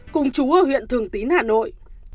cùng chú ở huyện thường tín hà nội